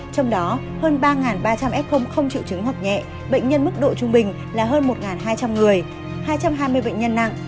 trong đó hơn ba ba trăm linh f không triệu chứng hoặc nhẹ bệnh nhân mức độ trung bình là hơn một hai trăm linh người hai trăm hai mươi bệnh nhân nặng